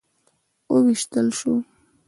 وویشتل شو.